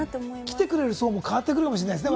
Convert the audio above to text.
来てくれる層も変わってくるかもしれませんね。